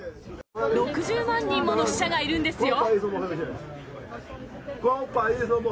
６０万人もの死者がいるんですよ。